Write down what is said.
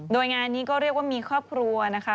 โดยงานนี้ก็เรียกว่ามีครอบครัวนะคะ